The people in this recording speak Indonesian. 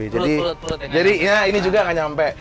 jadi ini juga ga nyampe